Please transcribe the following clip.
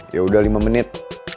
yaudah lima menit